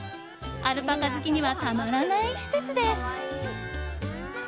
アルパカ好きにはたまらない施設です。